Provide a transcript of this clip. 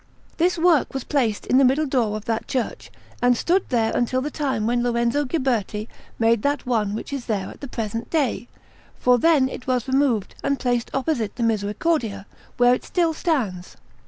This work was placed in the middle door of that church, and stood there until the time when Lorenzo Ghiberti made that one which is there at the present day; for then it was removed and placed opposite the Misericordia, where it still stands.